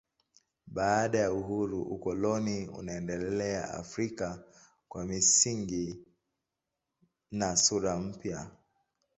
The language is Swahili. Baada ya uhuru ukoloni unaendelea Afrika kwa misingi na sura mpya.